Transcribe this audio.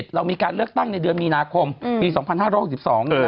เรามีการเลือกตั้งในเดือนมีนาคมปี๒๕๖๒เลย